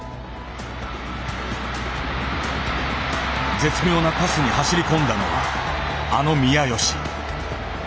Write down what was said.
絶妙なパスに走り込んだのはあの宮吉。